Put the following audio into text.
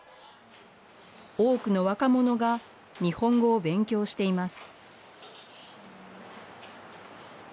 多くの若者が日本語を勉強しています。